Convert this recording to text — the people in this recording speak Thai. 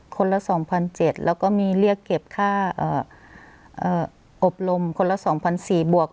คนละสองพันเจ็ดแล้วก็มีเรียกเก็บค่าเอ่อเอ่ออบรมคนละสองพันสี่บวก